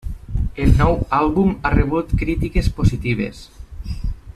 El nou àlbum ha rebut crítiques positives.